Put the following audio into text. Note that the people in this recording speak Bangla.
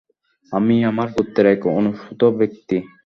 আমি আমার গোত্রের এক অনুসৃত ব্যক্তি।